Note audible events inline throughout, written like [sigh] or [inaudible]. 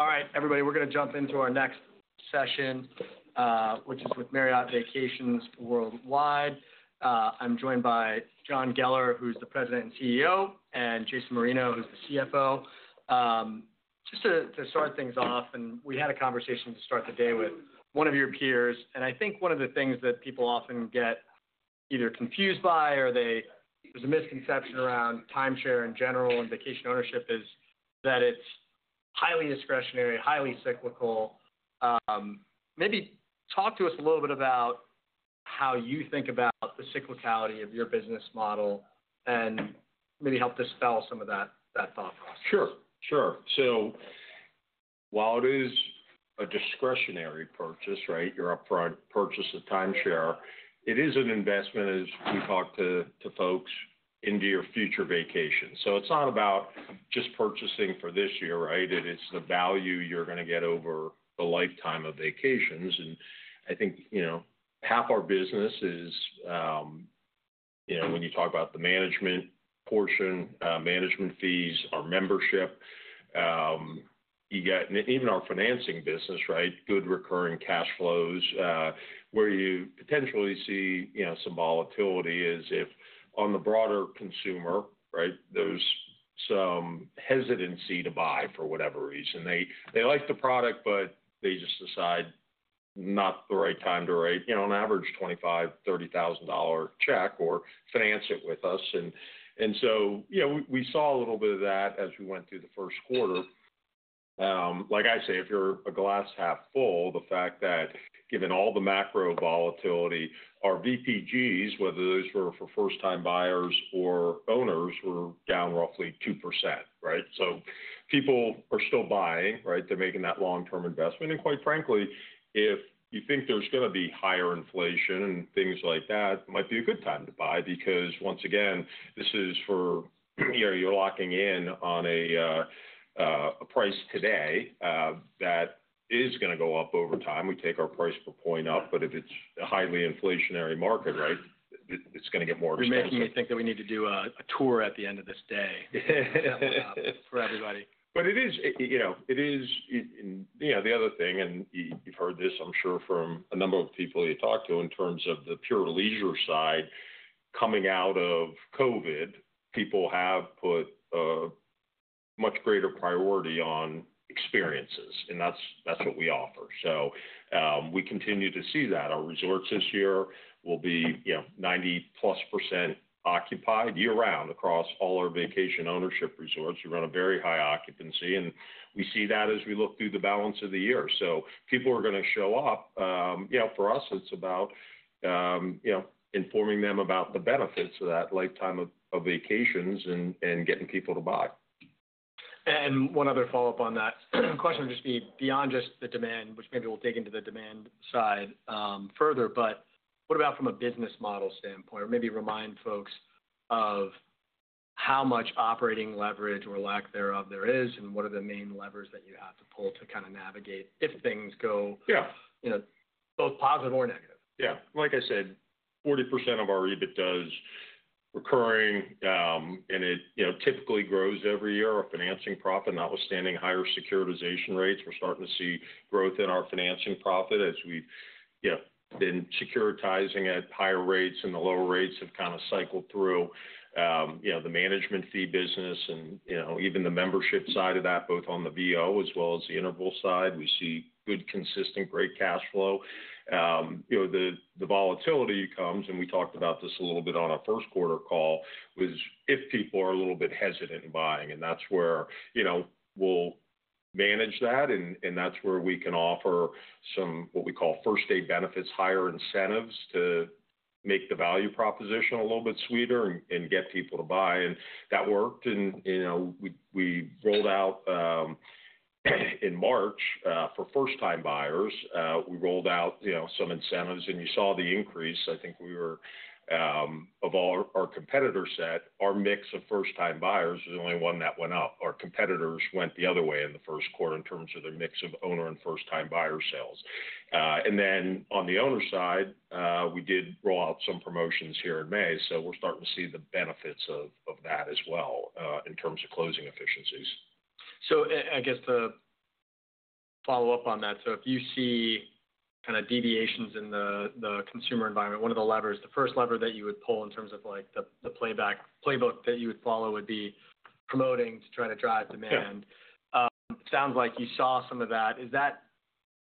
All right, everybody, we're going to jump into our next session, which is with Marriott Vacations Worldwide. I'm joined by John Geller, who's the President and CEO, and Jason Marino, who's the CFO. Just to start things off, and we had a conversation to start the day with one of your peers. I think one of the things that people often get either confused by, or there's a misconception around timeshare in general and vacation ownership, is that it's highly discretionary, highly cyclical. Maybe talk to us a little bit about how you think about the cyclicality of your business model and maybe help dispel some of that thought process. Sure. Sure. While it is a discretionary purchase, right, your upfront purchase of timeshare, it is an investment, as we talk to folks, into your future vacations. It is not about just purchasing for this year, right? It is the value you are going to get over the lifetime of vacations. I think half our business is, when you talk about the management portion, management fees, our membership, even our financing business, right, good recurring cash flows. Where you potentially see some volatility is if, on the broader consumer, right, there is some hesitancy to buy for whatever reason. They like the product, but they just decide not the right time to write, on average, $25,000-$30,000 check or finance it with us. We saw a little bit of that as we went through the first quarter. Like I say, if you're a glass half full, the fact that, given all the macro volatility, our VPGs, whether those were for first-time buyers or owners, were down roughly 2%, right? People are still buying, right? They're making that long-term investment. And quite frankly, if you think there's going to be higher inflation and things like that, it might be a good time to buy because, once again, this is for you're locking in on a price today that is going to go up over time. We take our price per point up, but if it's a highly inflationary market, right, it's going to get more expensive. You're making me think that we need to do a tour at the end of this day for everybody. It is the other thing, and you've heard this, I'm sure, from a number of people you talk to in terms of the pure leisure side. Coming out of COVID, people have put a much greater priority on experiences, and that's what we offer. We continue to see that. Our resorts this year will be 90+% occupied year-round across all our vacation ownership resorts. We run a very high occupancy, and we see that as we look through the balance of the year. People are going to show up. For us, it's about informing them about the benefits of that lifetime of vacations and getting people to buy. One other follow-up on that question would just be beyond just the demand, which maybe we'll dig into the demand side further, but what about from a business model standpoint? Or maybe remind folks of how much operating leverage or lack thereof there is, and what are the main levers that you have to pull to kind of navigate if things go both positive or negative? Yeah. Like I said, 40% of our EBITDA is recurring, and it typically grows every year. Our financing profit and outstanding higher securitization rates. We're starting to see growth in our financing profit as we've been securitizing at higher rates, and the lower rates have kind of cycled through. The management fee business and even the membership side of that, both on the VOI as well as the Interval side, we see good consistent great cash flow. The volatility comes, and we talked about this a little bit on our first quarter call, was if people are a little bit hesitant in buying. That's where we'll manage that, and that's where we can offer some what we call first-aid benefits, higher incentives to make the value proposition a little bit sweeter and get people to buy. That worked. We rolled out in March for first-time buyers. We rolled out some incentives, and you saw the increase. I think we were, of all our competitors, that our mix of first-time buyers was the only one that went up. Our competitors went the other way in the first quarter in terms of their mix of owner and first-time buyer sales. On the owner side, we did roll out some promotions here in May. We are starting to see the benefits of that as well in terms of closing efficiencies. I guess to follow up on that, if you see kind of deviations in the consumer environment, one of the levers, the first lever that you would pull in terms of the playbook that you would follow would be promoting to try to drive demand. It sounds like you saw some of that. Is that,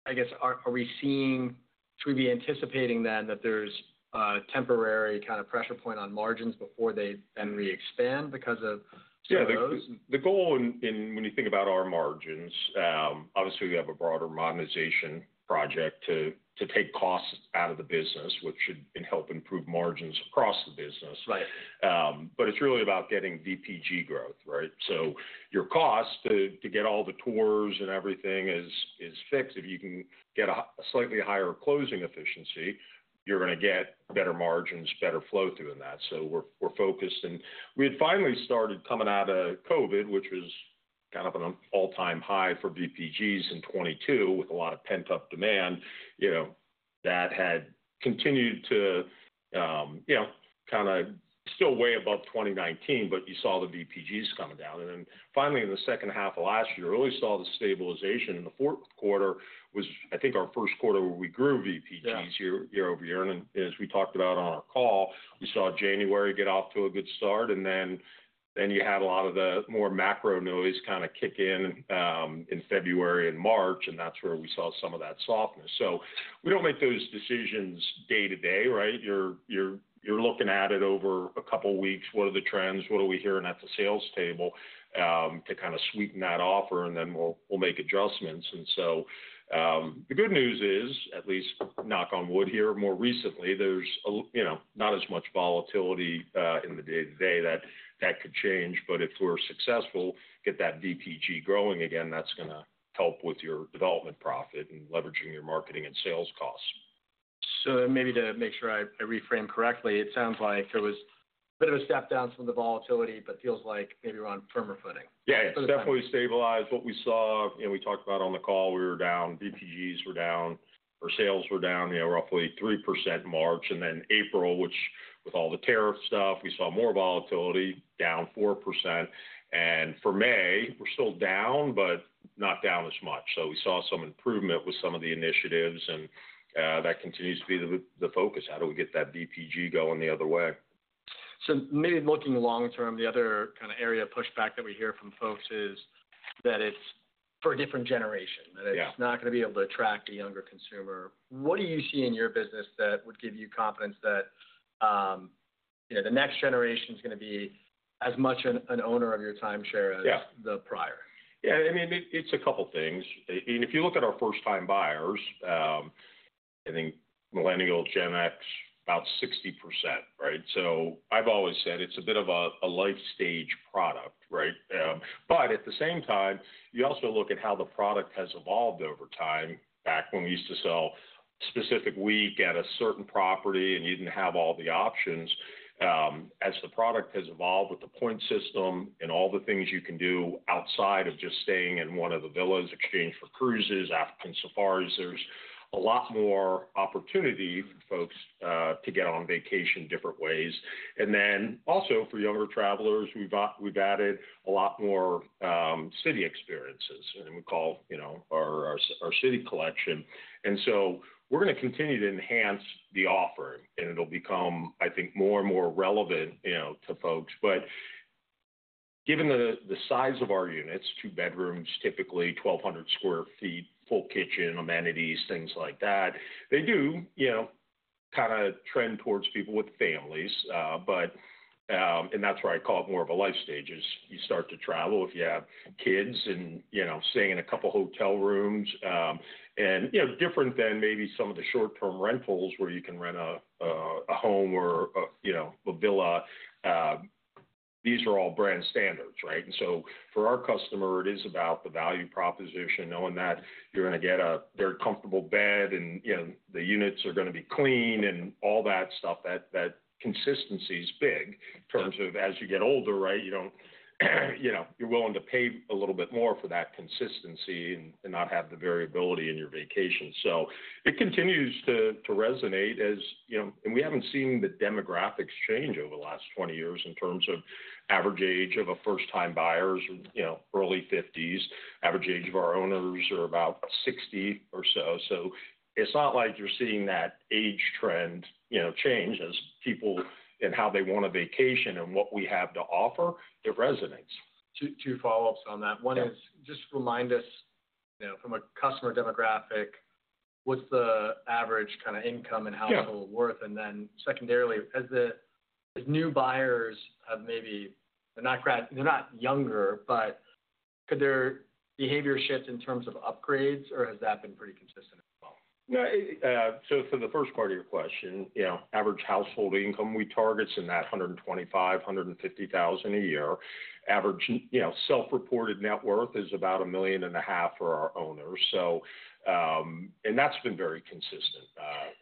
I guess, are we seeing, should we be anticipating then that there's a temporary kind of pressure point on margins before they then re-expand because of some of those? Yeah. The goal, when you think about our margins, obviously, we have a broader modernization project to take costs out of the business, which should help improve margins across the business. It is really about getting VPG growth, right? Your cost to get all the tours and everything is fixed. If you can get a slightly higher closing efficiency, you're going to get better margins, better flow through in that. We are focused. We had finally started coming out of COVID, which was kind of an all-time high for VPGs in 2022 with a lot of pent-up demand. That had continued to kind of still way above 2019, but you saw the VPGs coming down. Finally, in the second half of last year, we really saw the stabilization. The fourth quarter was, I think, our first quarter where we grew VPGs year-over-year. As we talked about on our call, we saw January get off to a good start. You had a lot of the more macro noise kind of kick in in February and March, and that is where we saw some of that softness. We do not make those decisions day to day, right? You are looking at it over a couple of weeks. What are the trends? What are we hearing at the sales table to kind of sweeten that offer? We will make adjustments. The good news is, at least knock on wood here, more recently, there is not as much volatility in the day-to-day. That could change. If we are successful, get that VPG growing again, that is going to help with your development profit and leveraging your marketing and sales costs. Maybe to make sure I reframe correctly, it sounds like there was a bit of a step down from the volatility, but feels like maybe we're on firmer footing. Yeah. It is definitely stabilized. What we saw, we talked about on the call, we were down. VPGs were down. Our sales were down roughly 3% in March. April, with all the tariff stuff, we saw more volatility, down 4%. For May, we are still down, but not down as much. We saw some improvement with some of the initiatives, and that continues to be the focus. How do we get that VPG going the other way? Maybe looking long-term, the other kind of area of pushback that we hear from folks is that it's for a different generation, that it's not going to be able to attract the younger consumer. What do you see in your business that would give you confidence that the next generation is going to be as much an owner of your timeshare as the prior? Yeah. I mean, it's a couple of things. I mean, if you look at our first-time buyers, I think Millennial, Gen X, about 60%, right? I've always said it's a bit of a life stage product, right? At the same time, you also look at how the product has evolved over time. Back when we used to sell a specific week at a certain property and you didn't have all the options, as the product has evolved with the point system and all the things you can do outside of just staying in one of the villas, exchange for cruises, African safaris, there's a lot more opportunity for folks to get on vacation different ways. Also, for younger travelers, we've added a lot more city experiences, and we call our city collection. We're going to continue to enhance the offer, and it'll become, I think, more and more relevant to folks. Given the size of our units, two bedrooms, typically 1,200 sq ft, full kitchen, amenities, things like that, they do kind of trend towards people with families. That's where I call it more of a life stage as you start to travel if you have kids and staying in a couple of hotel rooms. Different than maybe some of the short-term rentals where you can rent a home or a villa, these are all brand standards, right? For our customer, it is about the value proposition, knowing that you're going to get a very comfortable bed and the units are going to be clean and all that stuff. That consistency is big in terms of as you get older, right, you're willing to pay a little bit more for that consistency and not have the variability in your vacation. It continues to resonate as we haven't seen the demographics change over the last 20 years in terms of average age of our first-time buyers, early 50s. Average age of our owners are about 60 or so. It is not like you're seeing that age trend change as people and how they want to vacation and what we have to offer. It resonates. Two follow-ups on that. One is just remind us from a customer demographic, what's the average kind of income and household worth? Then secondarily, as new buyers have, maybe they're not younger, but could their behavior shift in terms of upgrades, or has that been pretty consistent as well? No. For the first part of your question, average household income we target is in that $125,000-$150,000 a year. Average self-reported net worth is about $1.5 million for our owners. That has been very consistent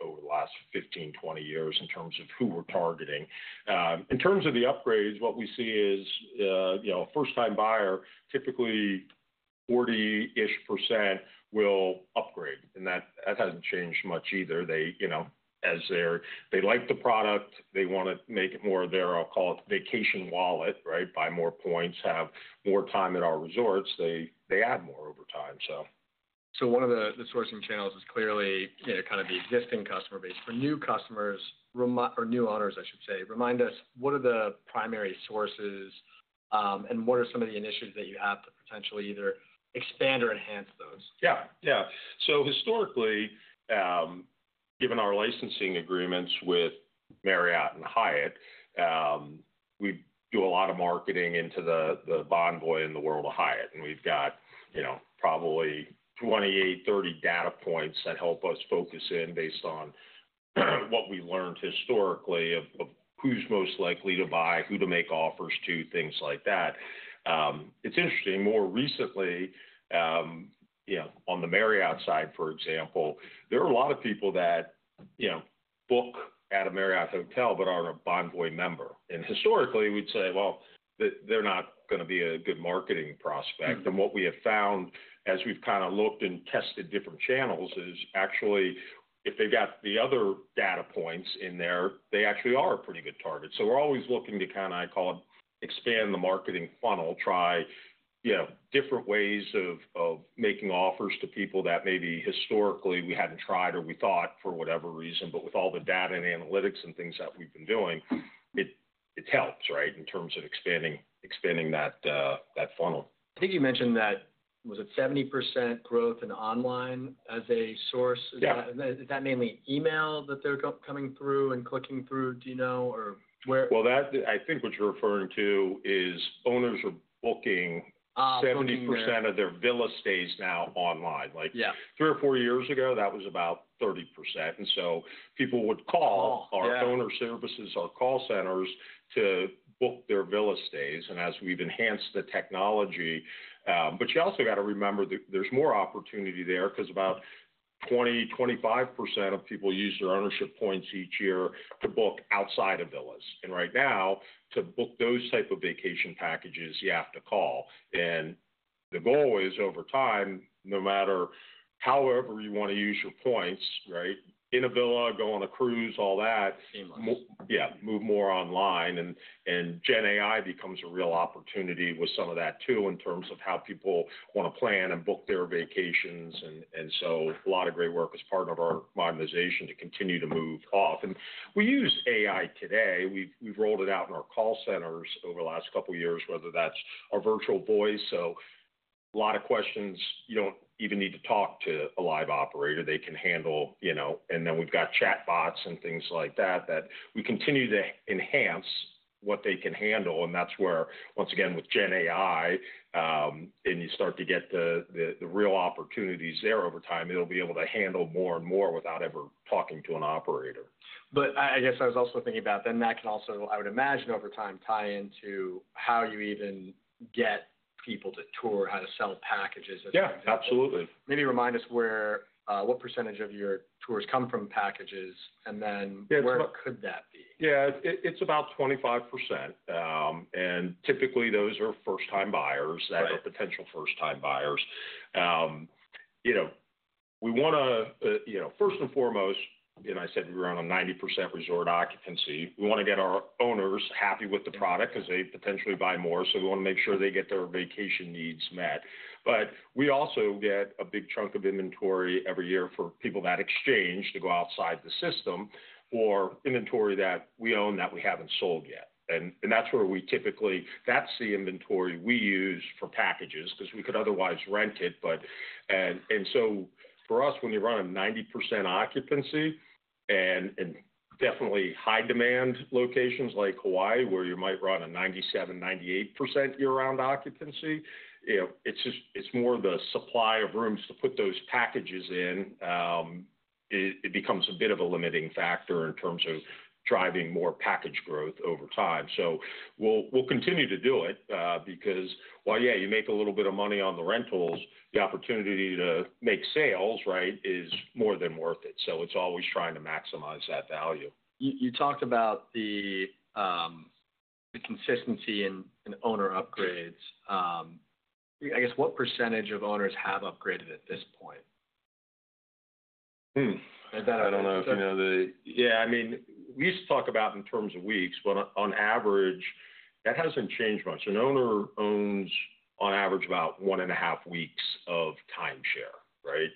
over the last 15-20 years in terms of who we are targeting. In terms of the upgrades, what we see is a first-time buyer, typically 40% will upgrade. That has not changed much either. As they like the product, they want to make it more of their, I will call it vacation wallet, right? Buy more points, have more time at our resorts. They add more over time, so. One of the sourcing channels is clearly kind of the existing customer base. For new customers or new owners, I should say, remind us, what are the primary sources and what are some of the initiatives that you have to potentially either expand or enhance those? Yeah. Yeah. Historically, given our licensing agreements with Marriott and Hyatt, we do a lot of marketing into the Bonvoy and the World of Hyatt. We have probably 28-30 data points that help us focus in based on what we have learned historically of who is most likely to buy, who to make offers to, things like that. It is interesting. More recently, on the Marriott side, for example, there are a lot of people that book at a Marriott hotel but are not a Bonvoy member. Historically, we would say, well, they are not going to be a good marketing prospect. What we have found as we have kind of looked and tested different channels is actually if they have the other data points in there, they actually are a pretty good target. We're always looking to kind of, I call it, expand the marketing funnel, try different ways of making offers to people that maybe historically we hadn't tried or we thought for whatever reason. With all the data and analytics and things that we've been doing, it helps, right, in terms of expanding that funnel. I think you mentioned that, was it 70% growth in online as a source? Is that mainly email that they're coming through and clicking through? Do you know or where? I think what you're referring to is owners are booking 70% of their villa stays now online. Three or four years ago, that was about 30%. People would call our owner services, our call centers to book their villa stays. As we've enhanced the technology, you also got to remember there's more opportunity there because about 20-25% of people use their ownership points each year to book outside of villas. Right now, to book those type of vacation packages, you have to call. The goal is over time, no matter however you want to use your points, in a villa, go on a cruise, all that. Seamless. Yeah. Move more online. Gen AI becomes a real opportunity with some of that too in terms of how people want to plan and book their vacations. A lot of great work as part of our modernization to continue to move off. We use AI today. We've rolled it out in our call centers over the last couple of years, whether that's our virtual voice. A lot of questions, you don't even need to talk to a live operator. They can handle. We've got chatbots and things like that that we continue to enhance what they can handle. That's where, once again, with Gen AI, you start to get the real opportunities there over time. It'll be able to handle more and more without ever talking to an operator. I guess I was also thinking about then that can also, I would imagine, over time tie into how you even get people to tour, how to sell packages. Yeah. Absolutely. Maybe remind us what % of your tours come from packages and then what could that be? Yeah. It's about 25%. And typically, those are first-time buyers that are potential first-time buyers. We want to, first and foremost, and I said we were on a 90% resort occupancy. We want to get our owners happy with the product because they potentially buy more. We want to make sure they get their vacation needs met. We also get a big chunk of inventory every year for people that exchange to go outside the system or inventory that we own that we haven't sold yet. That's where we typically, that's the inventory we use for packages because we could otherwise rent it. For us, when you run a 90% occupancy and definitely high-demand locations like Hawaii, where you might run a 97%-98% year-round occupancy, it's more the supply of rooms to put those packages in. It becomes a bit of a limiting factor in terms of driving more package growth over time. We will continue to do it because, yeah, you make a little bit of money on the rentals. The opportunity to make sales, right, is more than worth it. It is always trying to maximize that value. You talked about the consistency in owner upgrades. I guess what percentage of owners have upgraded at this point? I don't know if you know the. So. Yeah. I mean, we used to talk about in terms of weeks, but on average, that has not changed much. An owner owns on average about one and a half weeks of timeshare, right?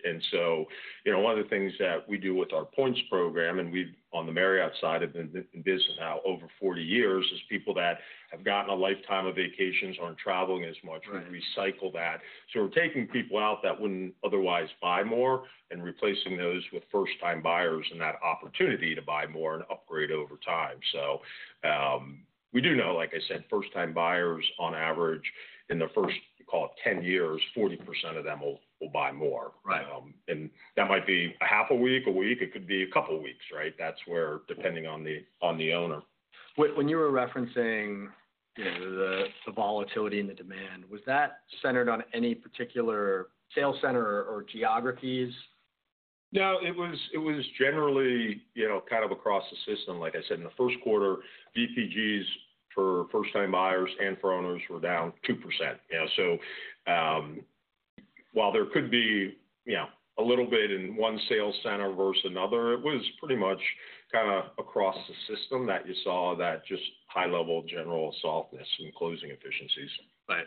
One of the things that we do with our points program, and we have on the Marriott side of the business now over 40 years, is people that have gotten a lifetime of vacations are not traveling as much. We recycle that. We are taking people out that would not otherwise buy more and replacing those with first-time buyers and that opportunity to buy more and upgrade over time. We do know, like I said, first-time buyers on average in the first, call it 10 years, 40% of them will buy more. That might be half a week, a week. It could be a couple of weeks, right? That is where depending on the owner. When you were referencing the volatility and the demand, was that centered on any particular sales center or geographies? No. It was generally kind of across the system. Like I said, in the first quarter, VPGs for first-time buyers and for owners were down 2%. So while there could be a little bit in one sales center versus another, it was pretty much kind of across the system that you saw that just high-level general softness and closing efficiencies. Right.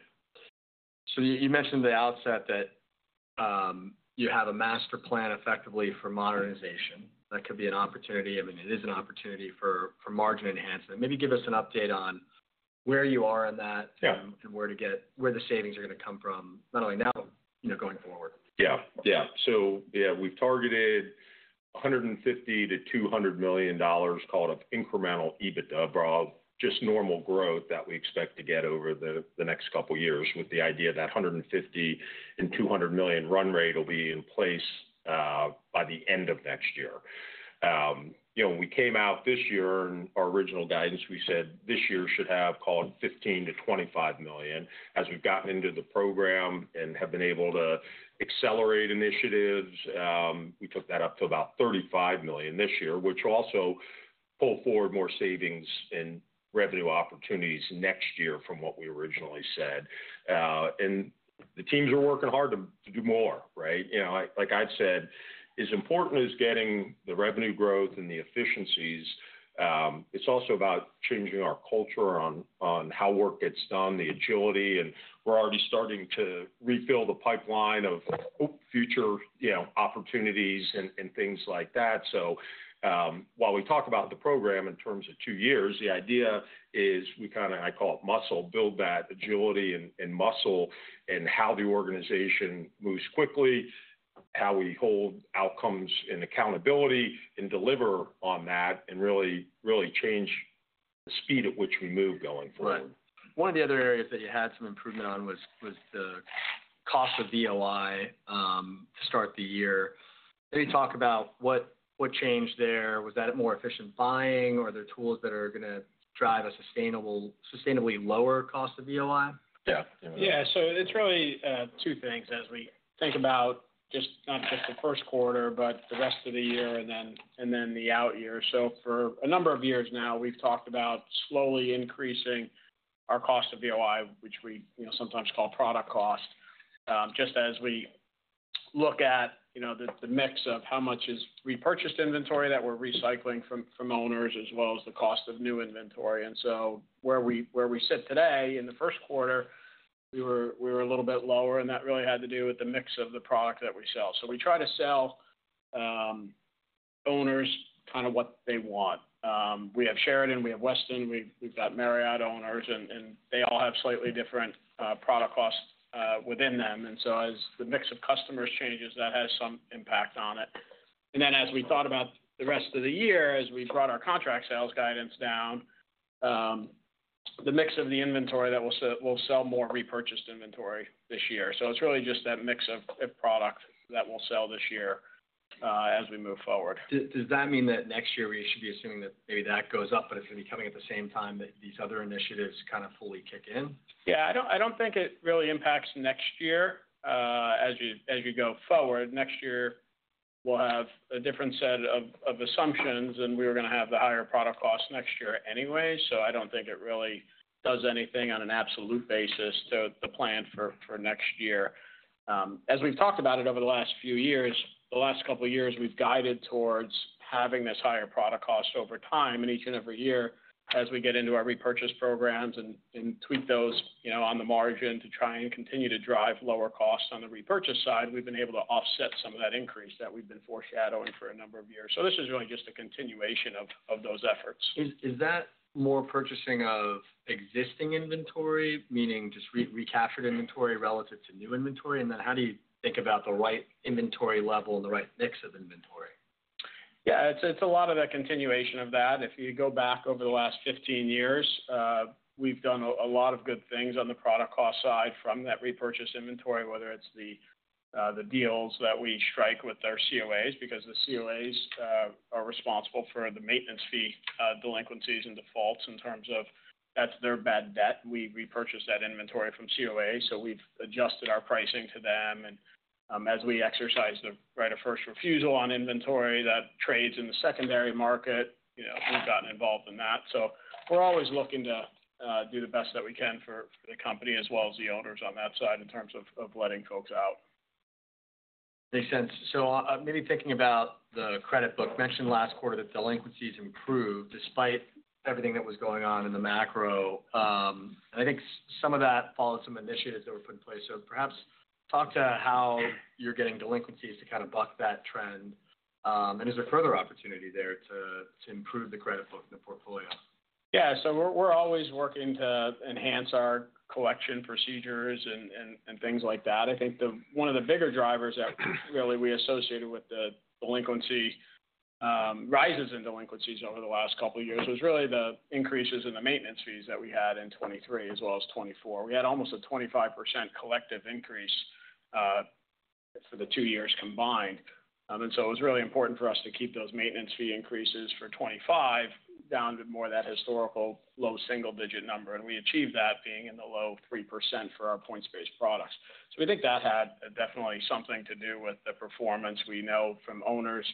You mentioned at the outset that you have a master plan effectively for modernization. That could be an opportunity. I mean, it is an opportunity for margin enhancement. Maybe give us an update on where you are in that and where the savings are going to come from, not only now, going forward. Yeah. Yeah. So yeah, we've targeted $150 million-$200 million, called it incremental EBITDA, just normal growth that we expect to get over the next couple of years with the idea that $150 million-$200 million run rate will be in place by the end of next year. We came out this year and our original guidance, we said this year should have called $15 million-$25 million. As we've gotten into the program and have been able to accelerate initiatives, we took that up to about $35 million this year, which also pulled forward more savings and revenue opportunities next year from what we originally said. The teams are working hard to do more, right? Like I said, as important as getting the revenue growth and the efficiencies, it's also about changing our culture on how work gets done, the agility. We're already starting to refill the pipeline of future opportunities and things like that. While we talk about the program in terms of two years, the idea is we kind of, I call it muscle, build that agility and muscle and how the organization moves quickly, how we hold outcomes and accountability and deliver on that and really change the speed at which we move going forward. One of the other areas that you had some improvement on was the cost of VOI to start the year. Maybe talk about what changed there. Was that more efficient buying or are there tools that are going to drive a sustainably lower cost of VOI? Yeah. Yeah. So it's really two things as we think about just not just the first quarter, but the rest of the year and then the out year. For a number of years now, we've talked about slowly increasing our cost of VOI, which we sometimes call product cost, just as we look at the mix of how much is repurchased inventory that we're recycling from owners as well as the cost of new inventory. Where we sit today in the first quarter, we were a little bit lower, and that really had to do with the mix of the product that we sell. We try to sell owners kind of what they want. We have Sheraton, we have Westin, we've got Marriott owners, and they all have slightly different product costs within them. As the mix of customers changes, that has some impact on it. Then as we thought about the rest of the year, as we brought our contract sales guidance down, the mix of the inventory that we'll sell, more repurchased inventory this year. It is really just that mix of product that we'll sell this year as we move forward. Does that mean that next year we should be assuming that maybe that goes up, but it is going to be coming at the same time that these other initiatives kind of fully kick in? Yeah. I don't think it really impacts next year. As you go forward, next year, we'll have a different set of assumptions, and we were going to have the higher product cost next year anyway. I don't think it really does anything on an absolute basis to the plan for next year. As we've talked about it over the last few years, the last couple of years, we've guided towards having this higher product cost over time. Each and every year, as we get into our repurchase programs and tweak those on the margin to try and continue to drive lower costs on the repurchase side, we've been able to offset some of that increase that we've been foreshadowing for a number of years. This is really just a continuation of those efforts. Is that more purchasing of existing inventory, meaning just recaptured inventory relative to new inventory? How do you think about the right inventory level and the right mix of inventory? Yeah. It's a lot of that continuation of that. If you go back over the last 15 years, we've done a lot of good things on the product cost side from that repurchase inventory, whether it's the deals that we strike with our COAs because the COAs are responsible for the maintenance fee delinquencies and defaults in terms of that's their bad debt. We repurchase that inventory from COA. We've adjusted our pricing to them. As we exercise the right of first refusal on inventory that trades in the secondary market, we've gotten involved in that. We're always looking to do the best that we can for the company as well as the owners on that side in terms of letting folks out. Makes sense. Maybe thinking about the credit book, mentioned last quarter that delinquencies improved despite everything that was going on in the macro. I think some of that follows some initiatives that were put in place. Perhaps talk to how you're getting delinquencies to kind of buck that trend. Is there further opportunity there to improve the credit book and the portfolio? Yeah. So we're always working to enhance our collection procedures and things like that. I think one of the bigger drivers that really we associated with the delinquency rises in delinquencies over the last couple of years was really the increases in the maintenance fees that we had in 2023 as well as 2024. We had almost a 25% collective increase for the two years combined. It was really important for us to keep those maintenance fee increases for 2025 down to more of that historical low single-digit number. We achieved that being in the low 3% for our points-based products. We think that had definitely something to do with the performance. We know from owners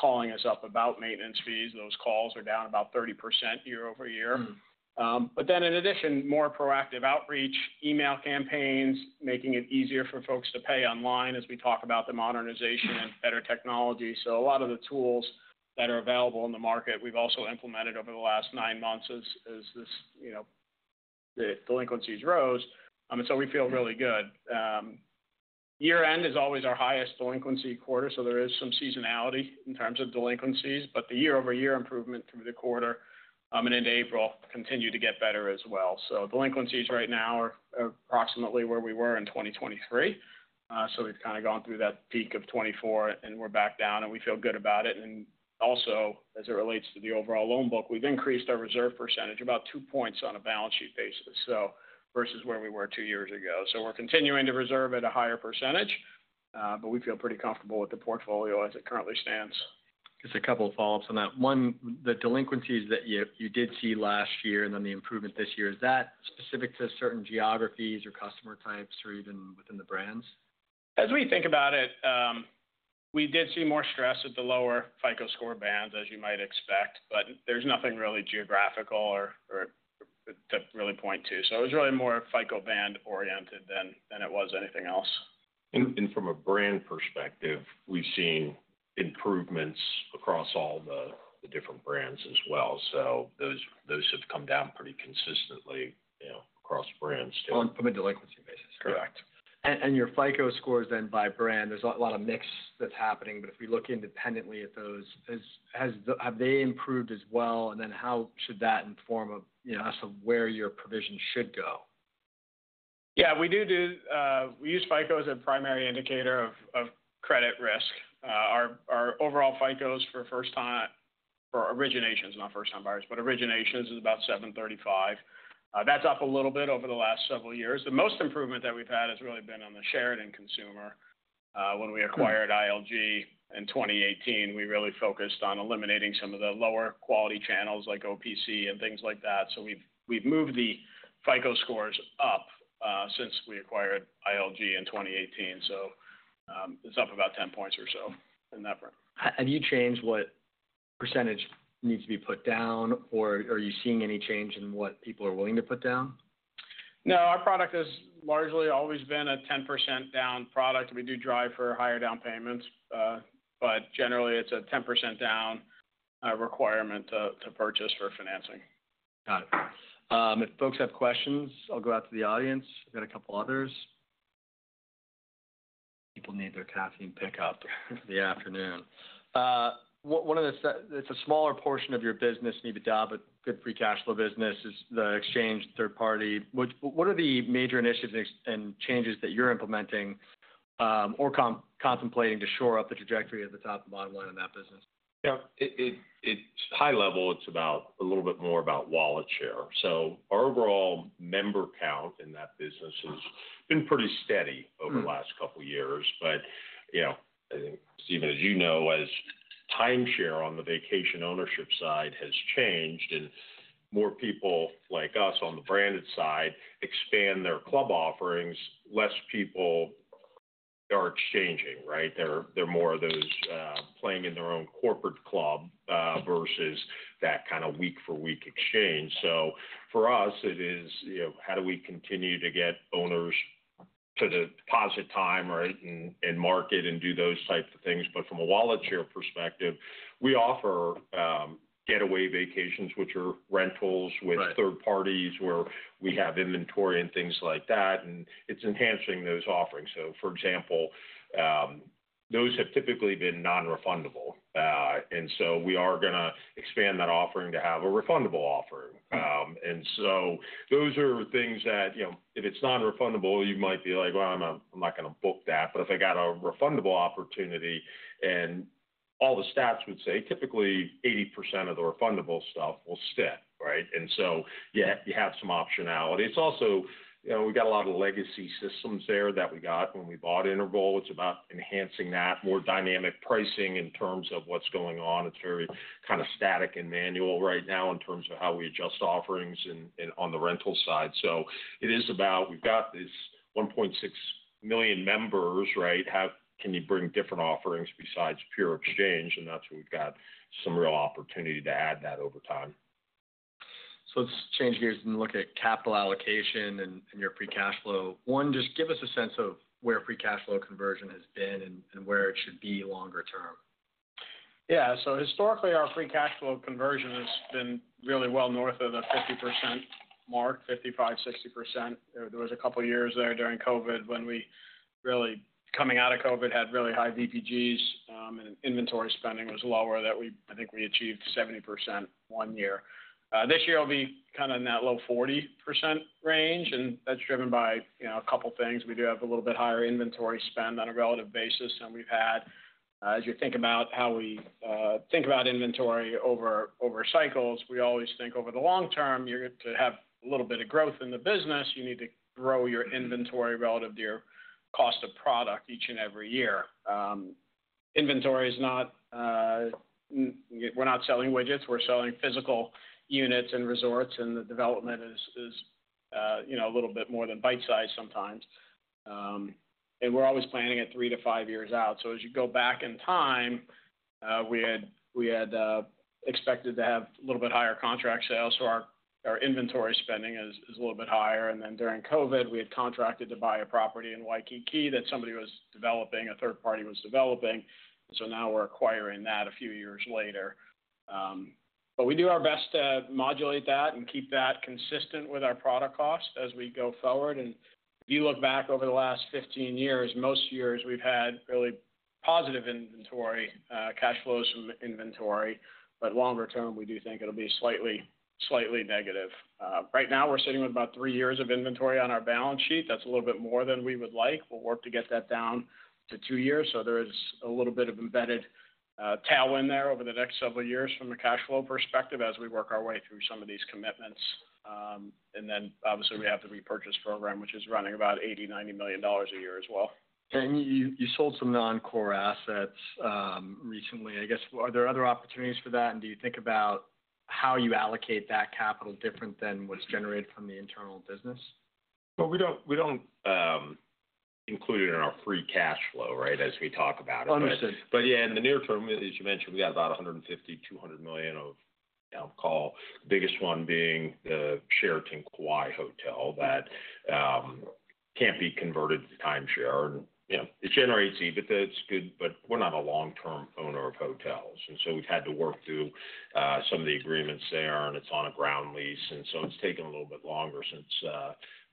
calling us up about maintenance fees, those calls are down about 30% year-over-year. Then in addition, more proactive outreach, email campaigns, making it easier for folks to pay online as we talk about the modernization and better technology. A lot of the tools that are available in the market, we have also implemented over the last nine months as the delinquencies rose. We feel really good. Year-end is always our highest delinquency quarter. There is some seasonality in terms of delinquencies. The year-over-year improvement through the quarter and into April continued to get better as well. Delinquencies right now are approximately where we were in 2023. We have kind of gone through that peak of 2024, and we are back down, and we feel good about it. Also, as it relates to the overall loan book, we have increased our reserve percentage about two percentage points on a balance sheet basis versus where we were two years ago. We're continuing to reserve at a higher percentage, but we feel pretty comfortable with the portfolio as it currently stands. Just a couple of follow-ups on that. One, the delinquencies that you did see last year and then the improvement this year, is that specific to certain geographies or customer types or even within the brands? As we think about it, we did see more stress with the lower FICO score bands, as you might expect, but there is nothing really geographical to really point to. It was really more FICO band oriented than it was anything else. From a brand perspective, we've seen improvements across all the different brands as well. Those have come down pretty consistently across brands. On a delinquency basis, correct? Correct. Your FICO scores then by brand, there is a lot of mix that is happening. If we look independently at those, have they improved as well? How should that inform us of where your provision should go? Yeah. We do. We use FICO as a primary indicator of credit risk. Our overall FICOs for originations, not first-time buyers, but originations is about 735. That's up a little bit over the last several years. The most improvement that we've had has really been on the shared and consumer. When we acquired ILG in 2018, we really focused on eliminating some of the lower quality channels like OPC and things like that. We have moved the FICO scores up since we acquired ILG in 2018. It is up about 10 points or so in that front. Have you changed what % needs to be put down, or are you seeing any change in what people are willing to put down? No. Our product has largely always been a 10% down product. We do drive for higher down payments, but generally, it's a 10% down requirement to purchase for financing. Got it. If folks have questions, I'll go out to the audience. I've got a couple others. People need their caffeine pickup in the afternoon. One of the, it's a smaller portion of your business, maybe a good free cash flow business, is the exchange third party. What are the major initiatives and changes that you're implementing or contemplating to shore up the trajectory of the top of the bottom line in that business? Yeah. At a high level, it is about a little bit more about wallet share. Our overall member count in that business has been pretty steady over the last couple of years. I think, Steven, as you know, as timeshares on the vacation ownership side have changed and more people like us on the branded side expand their club offerings, fewer people are exchanging, right? They are more of those playing in their own corporate club versus that kind of week-for-week exchange. For us, it is how do we continue to get owners to deposit time and market and do those types of things. From a wallet share perspective, we offer Getaway Vacations, which are rentals with third parties where we have inventory and things like that. It is enhancing those offerings. For example, those have typically been non-refundable. We are going to expand that offering to have a refundable offering. Those are things that if it is non-refundable, you might be like, "Well, I'm not going to book that." If I got a refundable opportunity, and all the stats would say typically 80% of the refundable stuff will stick, right? You have some optionality. We got a lot of legacy systems there that we got when we bought Interval. It is about enhancing that, more dynamic pricing in terms of what is going on. It is very kind of static and manual right now in terms of how we adjust offerings on the rental side. It is about we have got this 1.6 million members, right? Can you bring different offerings besides pure exchange? That is where we have got some real opportunity to add that over time. Let's change gears and look at capital allocation and your free cash flow. One, just give us a sense of where free cash flow conversion has been and where it should be longer term. Yeah. So historically, our free cash flow conversion has been really well north of the 50% mark, 55%-60%. There was a couple of years there during COVID when we really coming out of COVID had really high VPGs, and inventory spending was lower that I think we achieved 70% one year. This year, it'll be kind of in that low 40% range. That's driven by a couple of things. We do have a little bit higher inventory spend on a relative basis. As you think about how we think about inventory over cycles, we always think over the long term, you're to have a little bit of growth in the business. You need to grow your inventory relative to your cost of product each and every year. Inventory is not—we're not selling widgets. We're selling physical units and resorts. The development is a little bit more than bite-sized sometimes. We are always planning at three to five years out. As you go back in time, we had expected to have a little bit higher contract sales, so our inventory spending is a little bit higher. During COVID, we had contracted to buy a property in Waikiki that somebody was developing, a third party was developing. Now we are acquiring that a few years later. We do our best to modulate that and keep that consistent with our product cost as we go forward. If you look back over the last 15 years, most years, we have had really positive inventory cash flows from inventory. Longer term, we do think it will be slightly negative. Right now, we are sitting with about three years of inventory on our balance sheet. That's a little bit more than we would like. We'll work to get that down to two years. There is a little bit of embedded tailwind there over the next several years from a cash flow perspective as we work our way through some of these commitments. Obviously, we have the repurchase program, which is running about $80 million-$90 million a year as well. You sold some non-core assets recently. I guess, are there other opportunities for that? Do you think about how you allocate that capital different than what's generated from the internal business? We do not include it in our free cash flow, right, as we talk about it. Understood. Yeah, in the near term, as you mentioned, we got about $150 million-$200 million of, I'll call, the biggest one being the Sheraton Kauai Hotel that can't be converted to timeshare. It generates EBITDA. It's good. We are not a long-term owner of hotels. We have had to work through some of the agreements there. It's on a ground lease. It's taken a little bit longer since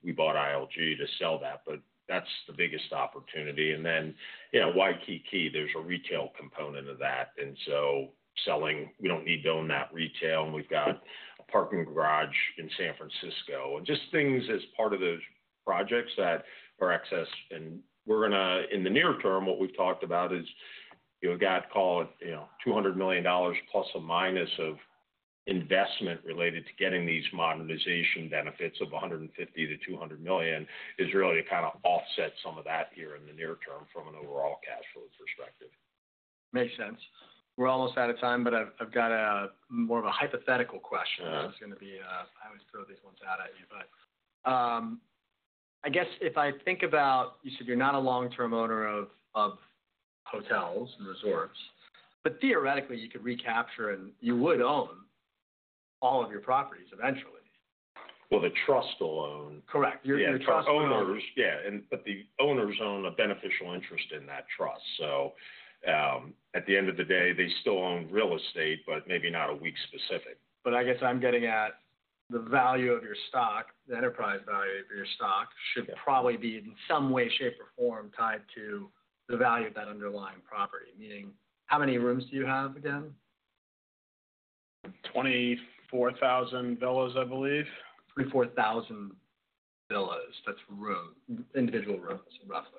we bought ILG to sell that. That's the biggest opportunity. Waikiki, there's a retail component of that. We do not need to own that retail. We have got a parking garage in San Francisco and just things as part of those projects that are accessed. In the near term, what we've talked about is we've got to call it $200 million plus or minus of investment related to getting these modernization benefits of $150 million-$200 million is really to kind of offset some of that here in the near term from an overall cash flow perspective. Makes sense. We're almost out of time, but I've got more of a hypothetical question. It's going to be, I always throw these ones out at you. I guess if I think about, you said you're not a long-term owner of hotels and resorts. Theoretically, you could recapture and you would own all of your properties eventually. The trust will own. Correct. Your trust will own. [crosstalk] Yeah. The owners own a beneficial interest in that trust. At the end of the day, they still own real estate, but maybe not a week specific. I guess I'm getting at the value of your stock, the enterprise value of your stock should probably be in some way, shape, or form tied to the value of that underlying property, meaning how many rooms do you have again? 24,000 villas, I believe. 24,000 villas. That's rooms, individual rooms, roughly.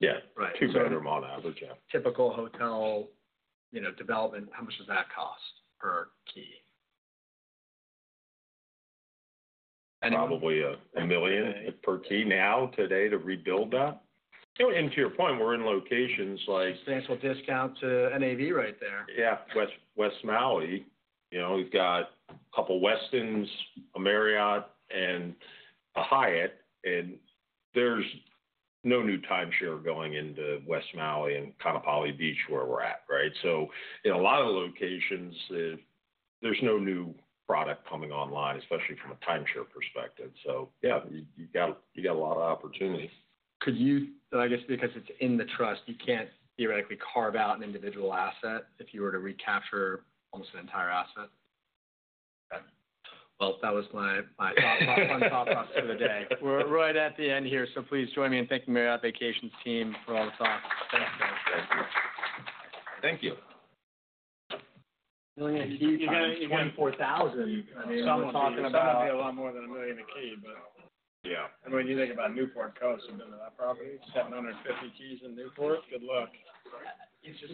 Yeah. Two hundred [crosstalk] on average. Yeah. Typical hotel development, how much does that cost per key? Probably a million per key now today to rebuild that. To your point, we're in locations like. Expensive discount to NAV right there. Yeah. West Maui. We've got a couple of Westins, a Marriott, and a Hyatt. And there's no new timeshare going into West Maui and Ka'anapali Beach where we're at, right? So in a lot of locations, there's no new product coming online, especially from a timeshare perspective. So yeah, you got a lot of opportunity. Could you, I guess, because it's in the trust, you can't theoretically carve out an individual asset if you were to recapture almost an entire asset? Okay. That was my thoughts. My thoughts for the day. We're right at the end here. Please join me in thanking Marriott Vacations team for all the thoughts. Thanks, guys. Thank you. Thank you. [crosstalk] You're going to need 24,000. I mean. [crosstalk] Some are talking about. [crosstalk] Some might be a lot more than a million a key, but. Yeah. I mean, you think about Newport Coast, a bit of that property, 750 keys in Newport. Good luck. You just.